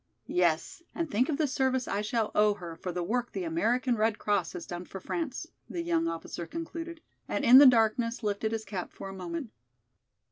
"Yes, and think of the service I shall owe her for the work the American Red Cross has done for France!" the young officer concluded, and in the darkness lifted his cap for a moment.